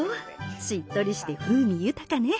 しっとりして風味豊かね。